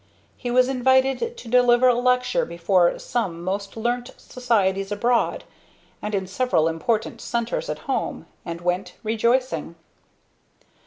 He was invited to deliver a lecture before some most learned societies abroad, and in several important centers at home, and went, rejoicing.